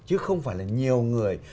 chứ không phải là nhiều người